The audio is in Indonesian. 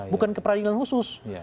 bukan ke peradilan khusus